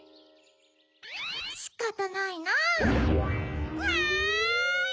しかたないな。わい！